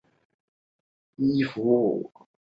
暹罗盾蛭为舌蛭科盾蛭属的动物。